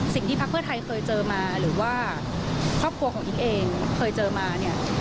ภักดิ์เพื่อไทยเคยเจอมาหรือว่าครอบครัวของอิ๊กเองเคยเจอมาเนี่ย